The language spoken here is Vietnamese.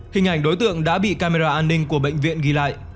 hình ảnh đối tượng đã bị camera an ninh của bệnh viện ghi lại